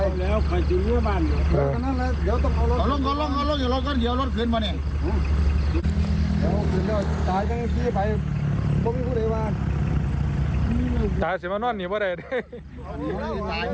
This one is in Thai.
บอกตำรวจมาเลยว่าผมเลือกชินได้ไหม